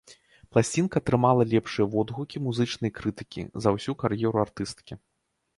Пласцінка атрымала лепшыя водгукі музычнай крытыкі за ўсю кар'еру артысткі.